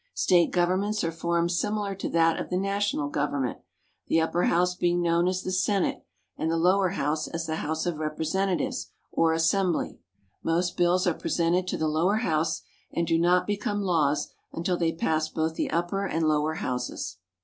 State Governments are formed similar to that of the National Government, the Upper House being known as the Senate, and the Lower House as the House of Representatives or Assembly. Most bills are presented to the Lower House, and do not become laws until they pass both the Upper and Lower Houses.